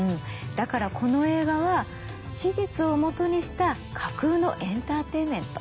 だからこの映画は史実をもとにした架空のエンターテインメント。